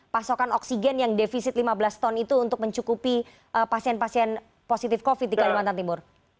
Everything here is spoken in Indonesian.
pasokan oksigen yang defisit lima belas ton itu untuk mencukupi pasien pasien positif covid di kalimantan timur